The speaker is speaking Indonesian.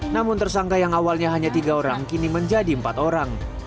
namun tersangka yang awalnya hanya tiga orang kini menjadi empat orang